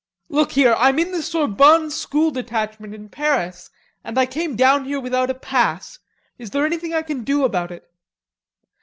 "Look here. I'm in the Sorbonne School Detachment in Paris, and I came down here without a pass. Is there anything I can do about it?"